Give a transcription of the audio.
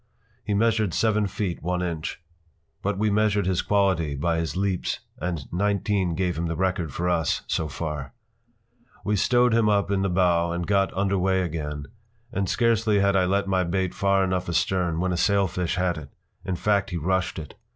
He measured seven feet one inch. But we measured his quality by his leaps and nineteen gave him the record for us so far. We stowed him up in the bow and got under way again, and scarcely had I let my bait far enough astern when a sailfish hit it. In fact, he rushed it.